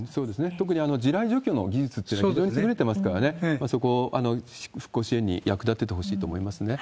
特に地雷除去の技術っていうのは非常に優れてますからね、そこを復興支援に役立ててほしいと思いますね。